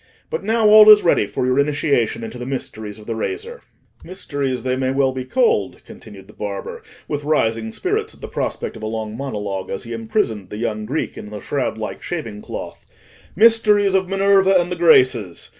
But now all is ready for your initiation into the mysteries of the razor." "Mysteries they may well be called," continued the barber, with rising spirits at the prospect of a long monologue, as he imprisoned the young Greek in the shroud like shaving cloth; "mysteries of Minerva and the Graces.